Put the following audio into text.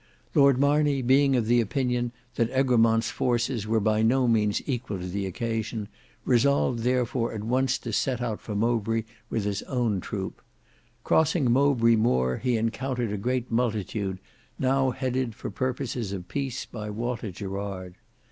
Lord Marney being of opinion that Egremont's forces were by no means equal to the occasion resolved therefore at once to set out for Mowbray with his own troop. Crossing Mowbray Moor he encountered a great multitude, now headed for purposes of peace by Walter Gerard.